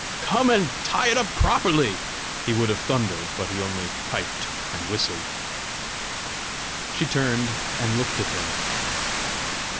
"Come and tie it up properly!" he would have thundered, but he only piped and whistled! She turned and looked at him.